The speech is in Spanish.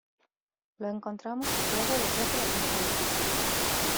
Lo encontramos situado detrás de la pantalla.